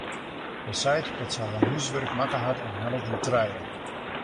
Hja seit dat se har húswurk makke hat en hellet in trije.